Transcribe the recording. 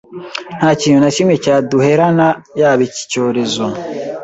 nta kintu na kimwe cya duherana yaba iki cyorezo